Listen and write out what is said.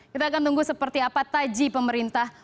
kita akan tunggu seperti apa taji pemerintah